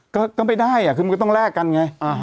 ก็ไม่ได้คือมันก็ต้องแลกกันไง